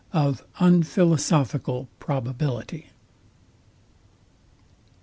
OF UNPHILOSOPHICAL PROBABILITY.